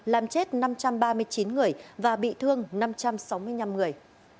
làm chết năm trăm ba mươi chín người và bị thương năm trăm sáu mươi năm người